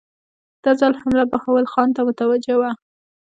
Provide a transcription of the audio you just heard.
دا ځل حمله بهاول خان ته متوجه وه.